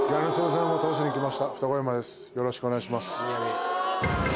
よろしくお願いします。